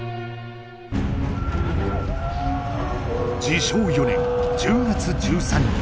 治承４年１０月１３日。